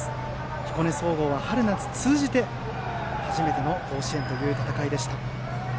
彦根総合は春夏通じて初めての甲子園という戦いでした。